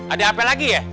ada apa lagi ya